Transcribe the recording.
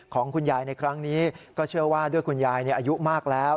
ของคุณยายในครั้งนี้ก็เชื่อว่าด้วยคุณยายอายุมากแล้ว